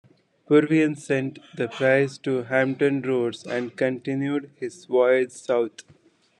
Purviance sent the prize to Hampton Roads and continued his voyage south.